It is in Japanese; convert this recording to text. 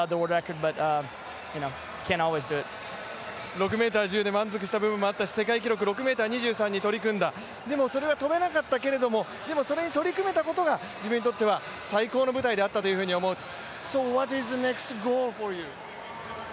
６ｍ１０で満足した部分もあったし、世界記録６ｍ２３に取り組んだ、でもそれが跳べなかったけれども、それに取り組めたことが自分にとっては最高の舞台であったというふうに思うと。